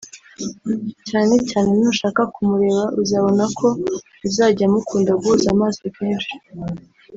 Cyane cyane nushaka kumureba uzabona ko muzajya mukunda guhuza amaso kenshi